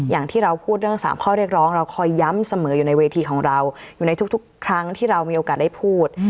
อย่างที่เราพูดเรื่อง๓ข้อเรียกร้องเราคอยย้ำเสมออยู่ในเวทีของเราอยู่ในทุกครั้งที่เรามีโอกาสได้พูด